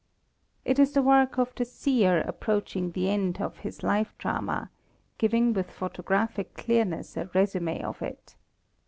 It is the work of the seer approaching the end of his life drama, giving with photographic clearness a résumé of it.